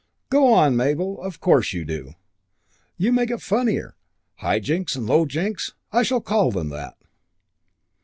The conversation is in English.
"Oh, go on, Mabel! Of course you do. You make it funnier. High Jinks and Low Jinks! I shall call them that."